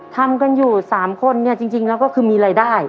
ทำกันอยู่๓คนเนี่ยจริงแล้วก็คือมีรายได้